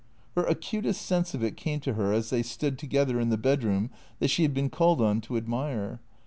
Her acutest sense of it came to her as they stood together in the bedroom that she had been called on to admire.